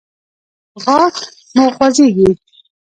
غاښ مو خوځیږي؟